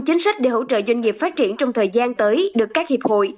chính sách để hỗ trợ doanh nghiệp phát triển trong thời gian tới được các hiệp hội